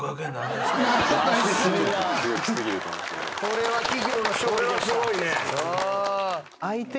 これは企業の勝利。